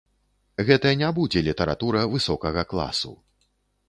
Гэта не будзе літаратура высокага класу.